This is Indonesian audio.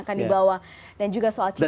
akan dibawa dan juga soal cita cita